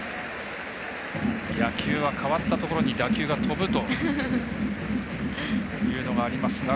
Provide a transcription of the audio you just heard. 野球は代わったところに打球が飛ぶというのがありますが。